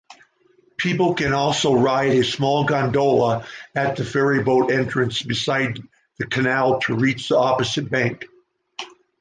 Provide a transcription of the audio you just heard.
People can also ride a small gondola at the ferryboat entrance beside the canal to reach the opposite bank.